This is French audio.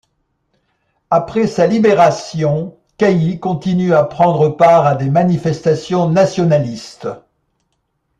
Après sa libération, Cailly continue à prendre part à des manifestations nationalistes.